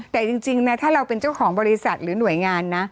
แต่จริงนะถ้าเราเป็นเจ้าของบริษัทหรือหน่วยงานนะ